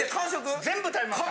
全部食べました。